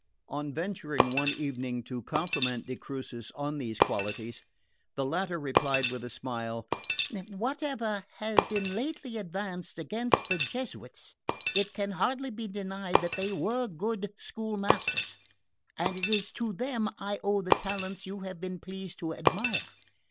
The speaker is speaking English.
On his venturing one evening to compliment de Crucis on these qualities, the latter replied with a smile: "Whatever has been lately advanced against the Jesuits, it can hardly be denied that they were good school masters; and it is to them I owe the talents you have been pleased to admire.